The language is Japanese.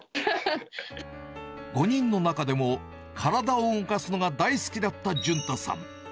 ５人の中でも体を動かすのが大好きだった潤太さん。